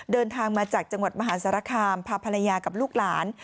เดินทางมาจากจังหวัดมหาสารคามพาภรรยากับลูกหลาน